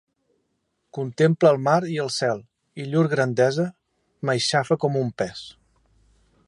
Contemple el mar i el cel, i llur grandesa m’aixafa com un pes.